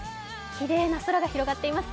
きれいな空が広がっています。